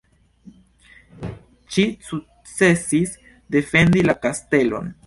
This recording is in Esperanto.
Ŝi sukcesis defendi la kastelon.